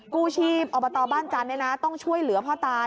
กู้ชีพอบตบ้านจันทร์ต้องช่วยเหลือพ่อตา